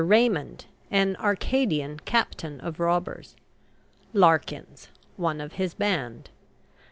RAYMOND, an "Arcadian" captain of robbers. LARKINS, one of his band.